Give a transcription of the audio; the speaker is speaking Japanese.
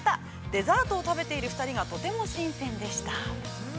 デザートを食べている２人がとても新鮮でした。